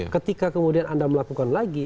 ketika kemudian anda melakukan lagi